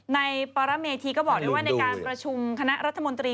ในปรเมธีก็บอกด้วยว่าในการประชุมคณะรัฐมนตรี